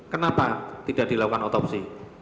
kenapa tidak dilakukan otopsi